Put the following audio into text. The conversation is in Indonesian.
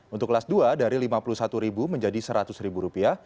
untuk kelas dua dari rp lima puluh satu menjadi rp seratus